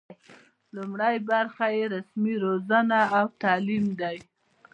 لومړۍ برخه یې رسمي روزنه او تعلیم دی.